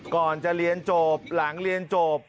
ก่อนจะเรียนจบหลังเรียนจบ